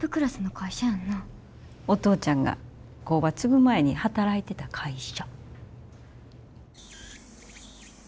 お父ちゃんが工場継ぐ前に働いてた会社。